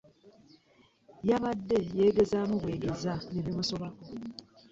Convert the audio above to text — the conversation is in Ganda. Yabadde yeegezaamu bwegeza ne bimusobako.